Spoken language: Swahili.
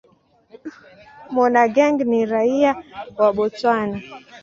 Monageng ni raia wa Botswana.